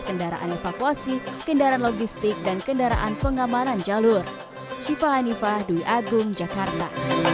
kendaraan evakuasi kendaraan logistik dan kendaraan pengamanan jalur syifa hanifah dwi agung jakarta